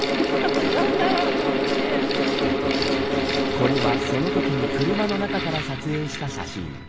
これは、そのときに車の中から撮影した写真。